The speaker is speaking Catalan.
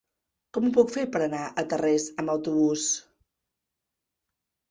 Com ho puc fer per anar a Tarrés amb autobús?